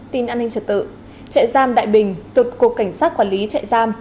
tin an ninh trật tự trại giam đại bình thuộc cục cảnh sát quản lý trại giam